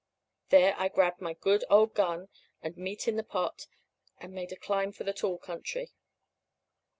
There I grabbed my good old gun, old Meat in the pot, and made a climb for the tall country."